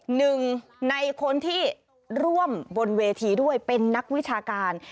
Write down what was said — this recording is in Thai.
หนึ่งในคนที่ร่วมบนเวทีด้วยเป็นนักวิชาการ